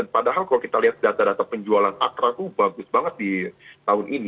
padahal kalau kita lihat data data penjualan akra itu bagus banget di tahun ini